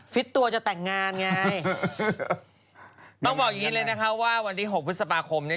ตัวจะแต่งงานไงต้องบอกอย่างงี้เลยนะคะว่าวันที่หกพฤษภาคมเนี่ย